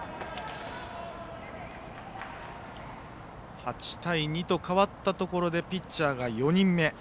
８対２となったところでピッチャーが４人目。